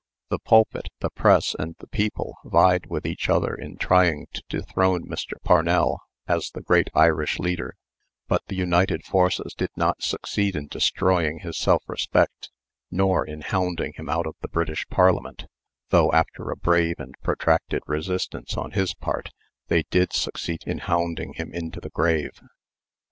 The pulpit, the press, and the people vied with each other in trying to dethrone Mr. Parnell as the great Irish leader, but the united forces did not succeed in destroying his self respect, nor in hounding him out of the British Parliament, though, after a brave and protracted resistance on his part, they did succeed in hounding him into the grave.